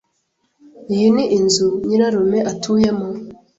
Iyi ni inzu nyirarume atuyemo.